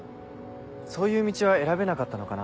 そういう道は選べなかったのかな？